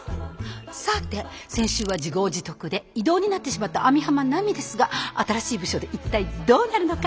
さて先週は自業自得で異動になってしまった網浜奈美ですが新しい部署で一体どうなるのか？